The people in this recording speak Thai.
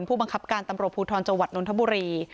ผู้บังคับการตำรวจภูทรจังหวัดนทบุรี